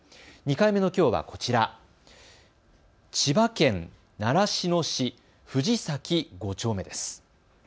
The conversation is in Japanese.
２回目のきょうはこちら、千葉県習志野市藤崎５丁目です。